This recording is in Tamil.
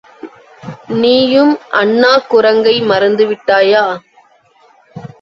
நீயும் அண்ணாக் குரங்கை மறந்துவிட்டாயா!